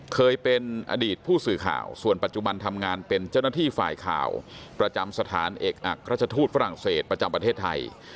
เคยเป็นอดีตผู้สื่อข่าวส่วนปัจจุบันทำงานเป็นเจ้าหน้าที่ฝ่ายข่าวประจำสถานเอกอักราชทูตฝรั่งเศสประจำประเทศไทย